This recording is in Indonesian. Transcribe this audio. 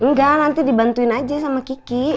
enggak nanti dibantuin aja sama kiki